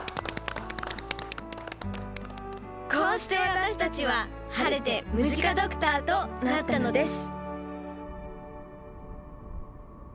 こうして私たちは晴れてムジカドクターとなったのです